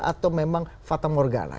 atau memang fatah morgana